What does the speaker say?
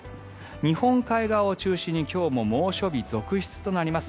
日本海側を中心に今日も猛暑日続出となります。